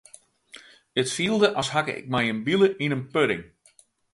It fielde as hakke ik mei in bile yn in pudding.